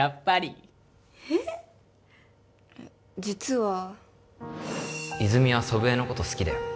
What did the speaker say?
実は泉は祖父江のこと好きだよ